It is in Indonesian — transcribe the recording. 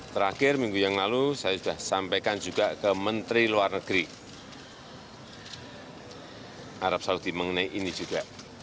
terakhir minggu yang lalu saya sudah sampaikan juga ke menteri luar negeri arab saudi mengenai ini juga